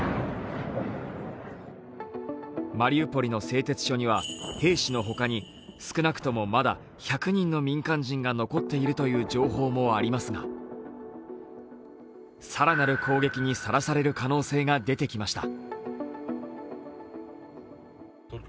マリウポリの製鉄所には兵士のほかに少なくともまだ１００人の民間人が残っているという情報もありますが更なる攻撃にさらされる可能性が出てきました。